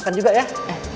kenapa aja our boy